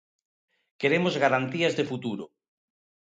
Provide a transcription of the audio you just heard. Queremos garantías de futuro.